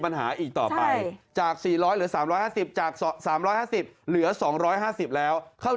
กลางนิดนึง๔๕บาท